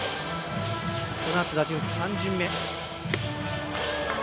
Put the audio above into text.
このあと打順３巡目。